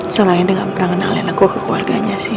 selain dengan pernah ngenalin aku ke keluarganya sih